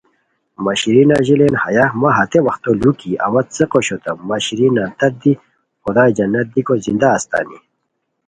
مہ شیرین اژیلیان ہیہ مہ ہتے وختو لو کی اوا څیق اوشوتام مہ شیرین نان تت دی خدائے جنت دیکو زندہ استانی